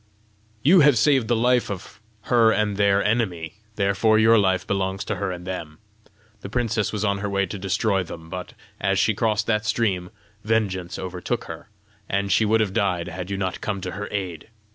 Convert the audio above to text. "You have saved the life of her and their enemy; therefore your life belongs to her and them. The princess was on her way to destroy them, but as she crossed that stream, vengeance overtook her, and she would have died had you not come to her aid.